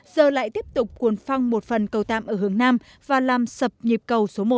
giờ lại tiếp tục cuồn phong một phần cầu tạm ở hướng nam và làm sập nhịp cầu số một